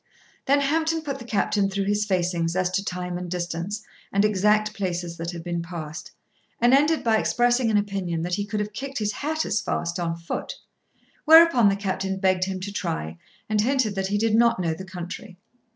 Then Hampton put the Captain through his facings as to time and distance and exact places that had been passed, and ended by expressing an opinion that he could have kicked his hat as fast on foot. Whereupon the Captain begged him to try, and hinted that he did not know the country.